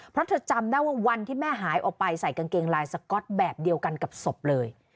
เพราะเธอจำได้ว่าวันที่แม่หายออกไปใส่กางเกงลายสก๊อตแบบเดียวกันกับศพเลย